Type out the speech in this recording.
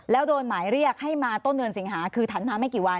แล้วโดนหมายเรียกให้มาต้นเดือนสิงหาคือถัดมาไม่กี่วัน